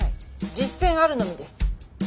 実践あるのみです。